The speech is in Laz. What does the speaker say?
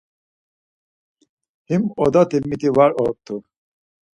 Him odati miti var ort̆u.